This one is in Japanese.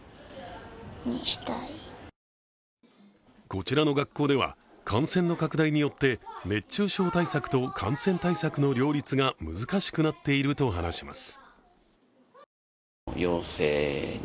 こちらの学校では感染の拡大によって熱中症対策と感染対策の両立が難しくなっていると話します。